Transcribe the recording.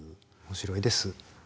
面白いです。